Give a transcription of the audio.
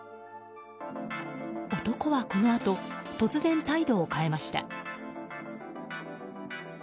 男はこのあと突然、態度を変えました。